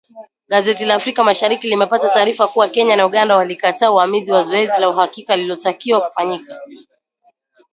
Gazeti la Africa Mashariki limepata taarifa kuwa Kenya na Uganda walikataa uamuzi wa zoezi la uhakiki lililotakiwa kufanyika